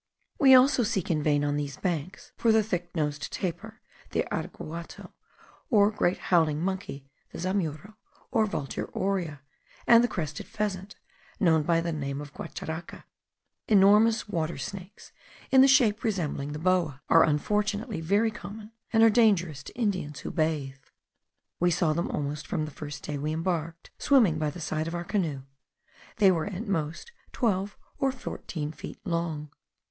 We also seek in vain on these banks for the thick nosed tapir, the araguato, or great howling monkey, the zamuro, or Vultur aura, and the crested pheasant, known by the name of guacharaca. Enormous water snakes, in shape resembling the boa, are unfortunately very common, and are dangerous to Indians who bathe. We saw them almost from the first day we embarked, swimming by the side of our canoe; they were at most twelve or fourteen feet long.